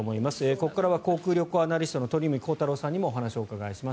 ここからは航空・旅行アナリストの鳥海高太朗さんにもお話をお伺いします。